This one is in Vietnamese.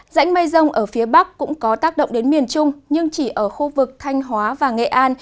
dãnh mây rông ở phía bắc cũng có tác động đến miền trung nhưng chỉ ở khu vực thanh hóa và nghệ an